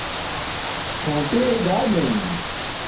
ژھونگپے گار نہ اِن